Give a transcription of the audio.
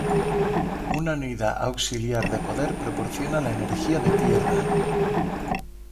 Una unidad auxiliar de poder proporciona la energía de tierra.